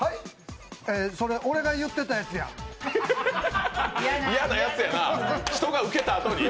それ、俺が言ってたやつやん嫌なやつやな人がウケたあとに。